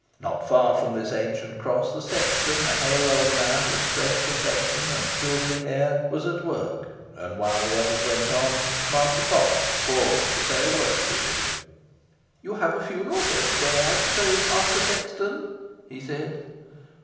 Not far from this ancient cross the sexton, a hale old man, with a fresh complexion and silvery hair, was at work, and while the others went on, Master Potts paused to say a word to him. "You have a funeral here to day, I suppose, Master Sexton?" he said.